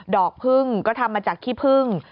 อกพึ่งก็ทำมาจากขี้พึ่ง